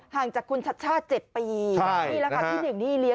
ห่างจากคุณชาติชาติ๗ปี